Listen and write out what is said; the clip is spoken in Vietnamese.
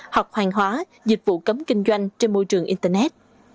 hoặc hàng hóa dịch vụ cấm kinh doanh trên môi trường internet